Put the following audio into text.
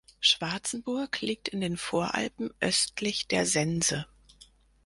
Schwarzenburg liegt in den Voralpen östlich der Sense.